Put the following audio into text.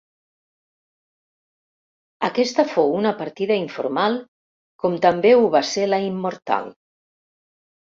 Aquesta fou una partida informal, com també ho va ser la Immortal.